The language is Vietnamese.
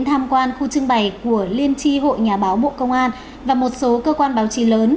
tham quan khu trưng bày của liên tri hội nhà báo bộ công an và một số cơ quan báo chí lớn